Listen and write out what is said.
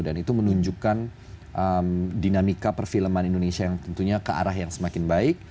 dan itu menunjukkan dinamika perfilman indonesia yang tentunya ke arah yang semakin baik